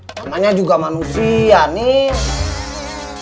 namanya juga manusia nin